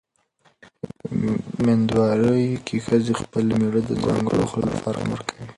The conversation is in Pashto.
مېندوارۍ کې ښځې خپل مېړه د ځانګړو خوړو لپاره امر کوي.